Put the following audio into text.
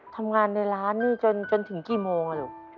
ทำงานในร้านนี่จนถึงกี่โมงลูก